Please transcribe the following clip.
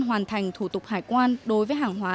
hoàn thành thủ tục hải quan đối với hàng hóa